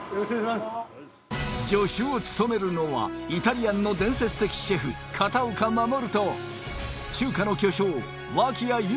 助手を務めるのはイタリアンの伝説的シェフ片岡護と中華の巨匠脇屋友